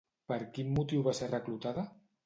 Per quin motiu va ser reclutada?